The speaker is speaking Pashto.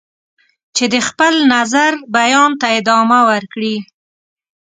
چې د خپل نظر بیان ته ادامه ورکړي.